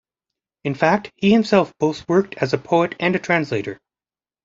In fact he himself both worked as a poet and a translator.